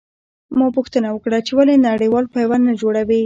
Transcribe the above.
ما پوښتنه وکړه چې ولې نړېوال پیوند نه جوړوي.